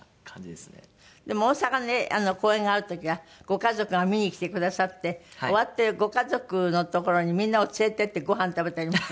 でも大阪で公演がある時はご家族が見に来てくださって終わってご家族のところにみんなを連れていってごはん食べたりもする？